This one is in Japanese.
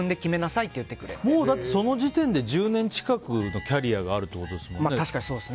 その時点で１０年近くのキャリアがあるということですもんね。